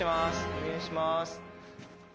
お願いします。